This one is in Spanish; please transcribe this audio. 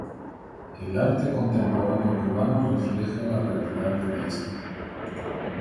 El el arte contemporaneo Cubano refleja la realidad de la isla.